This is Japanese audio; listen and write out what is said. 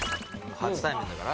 初対面だから？